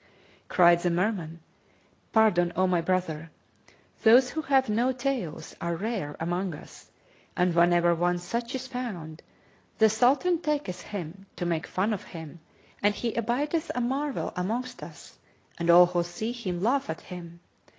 Cried the Merman, "Pardon, O my brother! Those who have no tails are rare among us, and whenever one such is found, the Sultan taketh him, to make fun of him, and he abideth a marvel amongst us, and all who see him laugh at him.